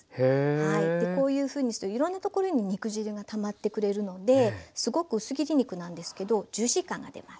こういうふうにするといろんなところに肉汁がたまってくれるのですごく薄切り肉なんですけどジューシー感が出ます。